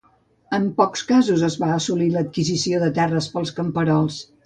En pocs casos es va assolir l'adquisició de terres pels camperols.